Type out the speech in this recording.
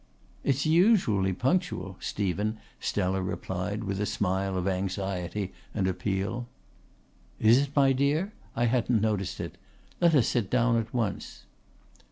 "It's usually punctual, Stephen," Stella replied with a smile of anxiety and appeal. "Is it, my dear? I hadn't noticed it. Let us sit down at once."